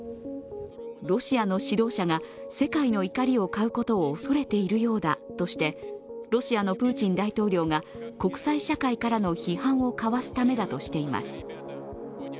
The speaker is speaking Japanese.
ロシアの指導者が世界の怒りを買うことを恐れているようだとしてロシアのプーチン大統領が国際社会からの批判をかわすためだとしています。